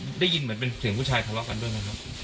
ได้ยินเหมือนเป็นเสียงผู้ชายทะเลาะกันด้วยไหมครับ